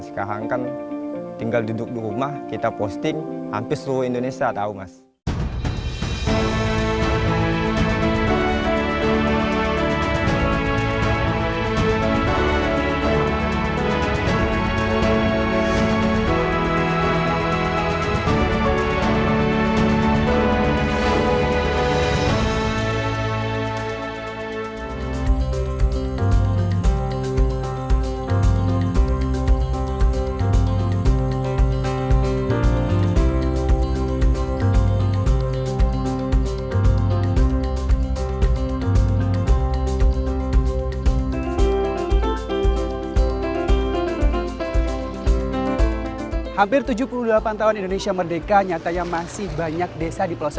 sekarang kan tinggal duduk di rumah kita posting hampir seluruh indonesia tahu mas